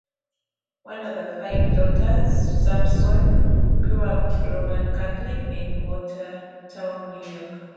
One of five daughters, Samson grew up Roman Catholic in Watertown, New York.